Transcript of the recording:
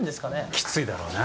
きついだろうな。